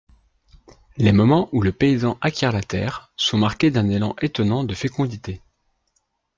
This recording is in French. Les moments où le paysan acquiert la terre, sont marqués d'un élan étonnant de fécondité.